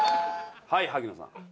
はい萩野さん。